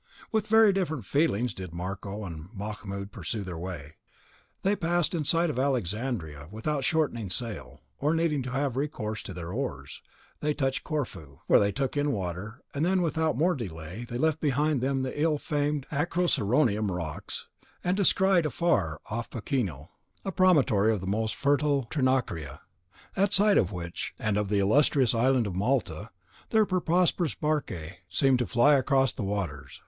With very different feelings did Ricardo and Mahmoud pursue their way. They passed in sight of Alexandria, and without shortening sail, or needing to have recourse to their oars, they touched at Corfu, where they took in water; and then without more delay they left behind them the ill famed Acroceraunian rocks, and descried afar off Paquino, a promontory of the most fertile Trinacria, at sight of which, and of the illustrious island of Malta, their prosperous barque seemed to fly across the waters.